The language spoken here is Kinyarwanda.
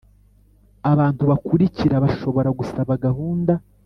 Abantu bakurikira bashobora gusaba gahunda